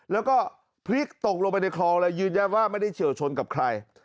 แล้วก็พลิกตกลงไปในคลองเลยยืนยันว่าไม่ได้เฉียวชนกับใคร